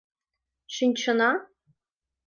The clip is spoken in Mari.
— Шинчына?